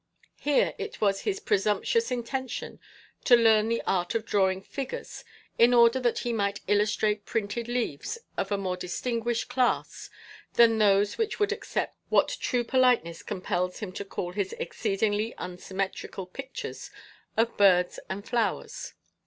Here it was his presumptuous intention to learn the art of drawing figures in order that he might illustrate printed leaves of a more distinguished class than those which would accept what true politeness compels him to call his exceedingly unsymmetrical pictures of birds and flowers.